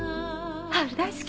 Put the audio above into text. ハウル大好き！